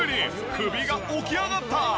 首が起き上がった！